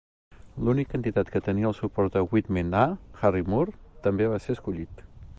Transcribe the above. L'únic candidat que tenia el suport de Wittpenn, A. Harry Moore, també va ser escollit.